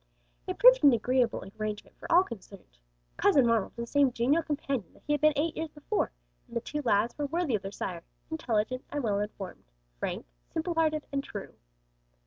It proved an agreeable arrangement for all concerned. "Cousin Ronald" was the same genial companion that he had been eight years before, and the two lads were worthy of their sire, intelligent and well informed, frank, simple hearted and true.